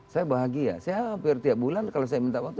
saya bahagia saya hampir tiap bulan kalau saya minta waktu